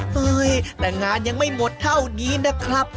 เฮ้ยแต่งานยังไม่หมดเท่านี้นะครับ